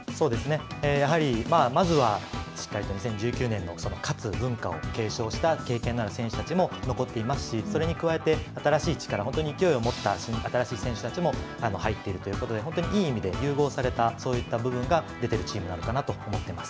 やはりまずはしっかりと２０１９年の勝つ文化を継承した経験のある選手たちも残っていますし、それに加えて新しい力、勢いを持った新しい選手たちも入っているということでいい意味で融合されたそういう部分が出てるチームなのかなと思います。